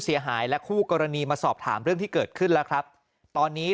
และคู่กรณีมาสอบถามเรื่องที่เกิดขึ้นแล้วครับตอนนี้